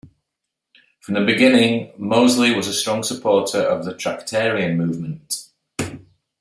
From the beginning, Mozley was a strong supporter of the Tractarian movement.